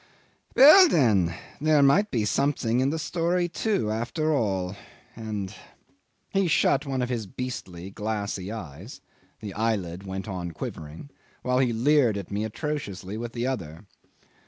Well, then, there might be something in the story too, after all, and ..." He shut one of his beastly glassy eyes (the eyelid went on quivering) while he leered at me atrociously with the other.